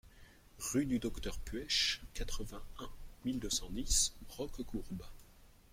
Rue du Docteur Puech, quatre-vingt-un mille deux cent dix Roquecourbe